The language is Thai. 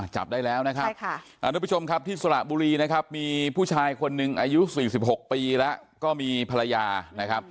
จับได้แล้วนะครับที่สละบุรีมีผู้ชายคนหนึ่งอายุ๔๖ปีก็มีภรรยา